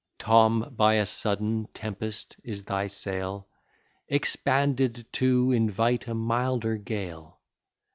Tom by a sudden tempest is thy sail, Expanded to invite a milder gale.